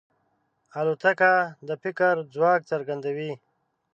الوتکه د فکر ځواک څرګندوي.